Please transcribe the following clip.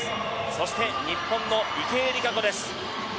そして日本の池江璃花子です。